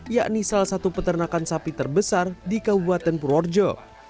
yakni salah satu peternakan sapi terbesar di kabupaten purworejo